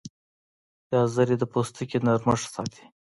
ګازرې د پوستکي نرمښت ساتي.